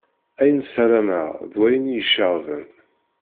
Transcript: Ayen ssaramaɣ, d wayen i yi-iceɣben.